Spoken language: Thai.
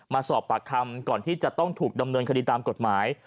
มาสอบปากคำก่อนที่จะต้องถูกดำเนินคดีตามกฎหมาย